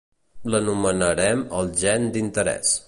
L'anomenarem el gen d'interès.